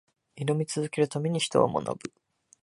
挑み続けるために、人は学ぶ。